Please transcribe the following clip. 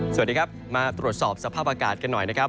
สวัสดีครับมาตรวจสอบสภาพอากาศกันหน่อยนะครับ